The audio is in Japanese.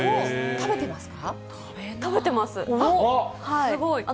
食べてますか？